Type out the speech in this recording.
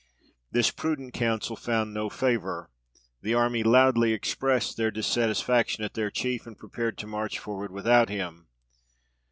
This prudent counsel found no favour: the army loudly expressed their dissatisfaction at their chief, and prepared to march forward without him.